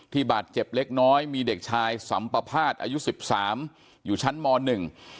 บาดเจ็บเล็กน้อยมีเด็กชายสัมปภาษณ์อายุสิบสามอยู่ชั้นมหนึ่ง